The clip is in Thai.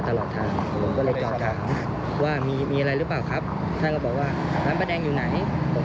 ต้องยืนเทินกลับตรงไฟแดงครับอยู่ข้างมือ